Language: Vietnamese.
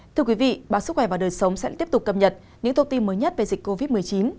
thưa quý vị báo sức khỏe và đời sống sẽ tiếp tục cập nhật những thông tin mới nhất về dịch covid một mươi chín